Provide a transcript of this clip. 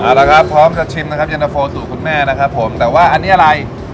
เอาละครับพร้อมจะชิมนะครับจะพูดตัวม่านะครับผมแต่ว่าอันนี้อะไร